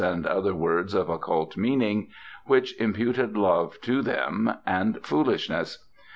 and other words of occult meaning, which imputed love to them, and foolishness.